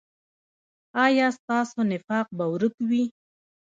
ایا ستاسو نفاق به ورک وي؟